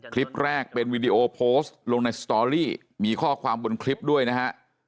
คลิปแรกเป็นวีดีโอโพสต์ลงในสตอรี่มีข้อความบนคลิปด้วยนะฮะ